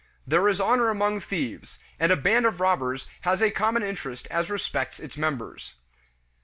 There is honor among thieves, and a band of robbers has a common interest as respects its members.